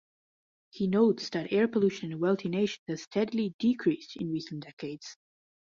He notes that air pollution in wealthy nations has steadily decreased in recent decades.